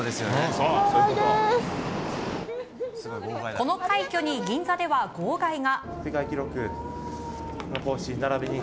この快挙に銀座では号外が。